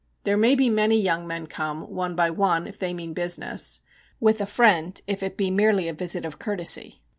There maybe be many young men come, one by one, if they mean business, with a friend if it be merely a visit of courtesy.